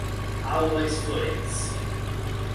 Álvares Florence